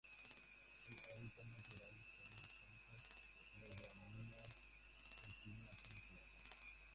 Su hábitat natural son: campos de gramíneas de clima templado.